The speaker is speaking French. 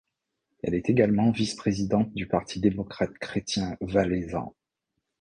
Elle est également vice-présidente du parti démocrate-chrétien valaisan.